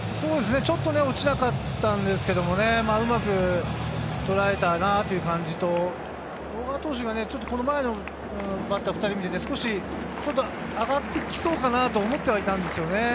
ちょっと落ちなかったんですけれども、うまくとらえたという感じと、小川投手がこの前のバッター２人を見ていて、ちょっと上がってきそうかなと思っていたんですよね。